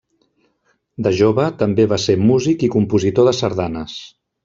De jove també va ser músic i compositor de sardanes.